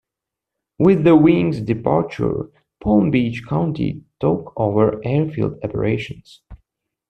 With the wing's departure, Palm Beach County took over airfield operations.